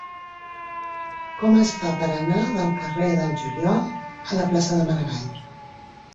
Com es fa per anar del carrer del Juliol a la plaça de Maragall?